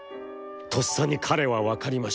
とっさに彼は分りました。